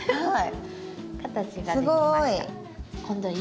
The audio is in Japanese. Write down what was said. はい。